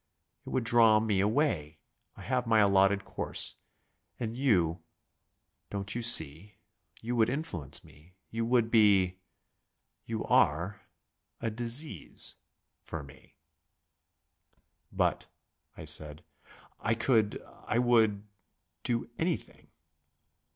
It would draw me away. I have my allotted course. And you Don't you see, you would influence me; you would be you are a disease for me." "But," I said, "I could I would do anything."